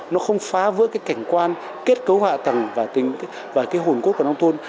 nó không phá vỡ cảnh quan kết cấu hạ tầng và hồn cốt của nông thôn